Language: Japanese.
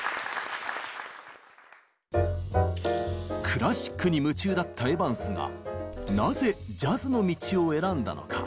クラシックに夢中だったエヴァンスがなぜジャズの道を選んだのか？